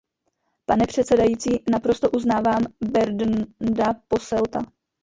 Pane předsedající, naprosto uznávám Bernda Posselta.